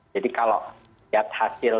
jadi kalau lihat hasil